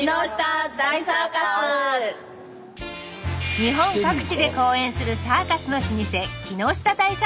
日本各地で公演するサーカスの老舗木下大サーカス。